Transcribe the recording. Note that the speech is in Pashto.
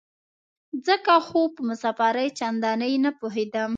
ځکه خو په مسافرۍ چندانې نه پوهېدم.